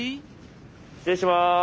失礼します。